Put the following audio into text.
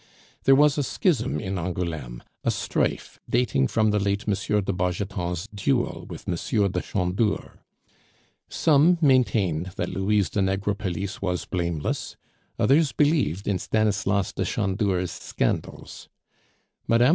There was a schism in Angouleme, a strife dating from the late M. de Bargeton's duel with M. de Chandour. Some maintained that Louise de Negrepelisse was blameless, others believed in Stanislas de Chandour's scandals. Mme.